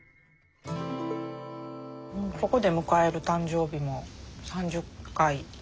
ここで迎える誕生日も３０回。